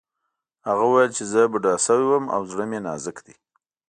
هغه وویل چې زه بوډا شوی یم او زړه مې نازک دی